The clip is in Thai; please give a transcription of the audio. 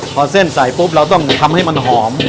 พอเส้นใส่ปุ๊บเราต้องทำให้มันหอม